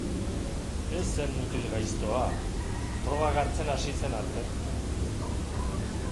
Ez zen mutil gaiztoa... drogak hartzen hasi zen arte.